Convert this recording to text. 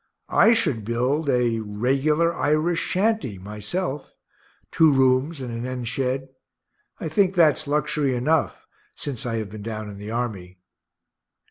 I should build a regular Irish shanty myself two rooms, and an end shed. I think that's luxury enough, since I have been down in the army.